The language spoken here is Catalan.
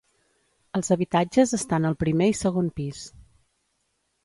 Els habitatges estan al primer i segon pis.